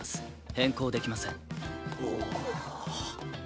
変更できません。